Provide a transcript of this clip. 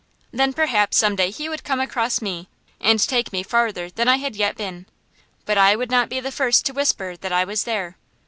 Then perhaps some day he would come across me, and take me farther than I had yet been; but I would not be the first to whisper that I was there.